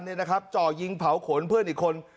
เจ้ายิงเผาขนเพื่อนอีกคน